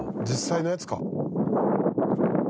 実際のやつか。